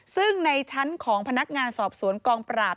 ซึ่งในชั้นของพนักงานสอบสวนกองปราบ